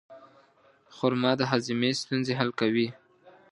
خرما د هاضمې ستونزې حل کوي.